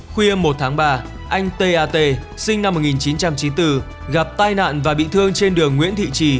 khuya một tháng ba anh t a t sinh năm một nghìn chín trăm chín mươi bốn gặp tai nạn và bị thương trên đường nguyễn thị trì